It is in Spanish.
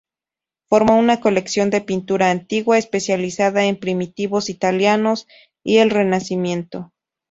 Formó una colección de pintura antigua, especializada en primitivos italianos y el Renacimiento.